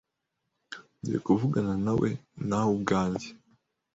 Ngiye kuvuganawe nawe ubwanjye.